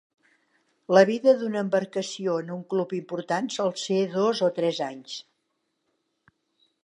La vida d'una embarcació en un club important sol ser dos o tres anys.